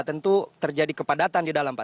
tentu terjadi kepadatan di dalam pak